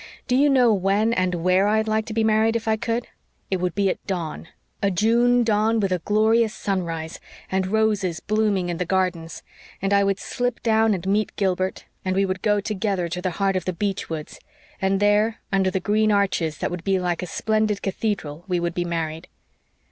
Do you know when and where I'd like to be married, if I could? It would be at dawn a June dawn, with a glorious sunrise, and roses blooming in the gardens; and I would slip down and meet Gilbert and we would go together to the heart of the beech woods, and there, under the green arches that would be like a splendid cathedral, we would be married."